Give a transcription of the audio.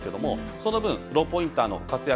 その分、ローポインターの活躍